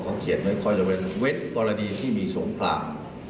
เขาเขียนไว้ก็จะเป็นเว็บกรณีที่มีสงคราม